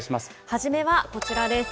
初めはこちらです。